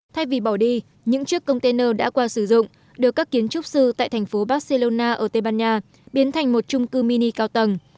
thay vì bỏ đi những chiếc container đã qua sử dụng được các kiến trúc sư tại thành phố barcelona ở tây ban nha biến thành một trung cư mini cao tầng